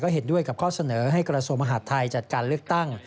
เห็นด้วยกับข้อเสนอให้กระทรวงมหาดไทยจัดการเลือกตั้ง